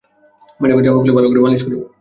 ম্যাডামের জামা খুলে ভালো করে মালিশ করো।